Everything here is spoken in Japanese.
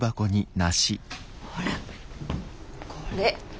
ほらっこれ。